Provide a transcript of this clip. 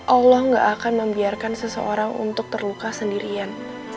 allah gak akan membiarkan seseorang untuk terluka sendirian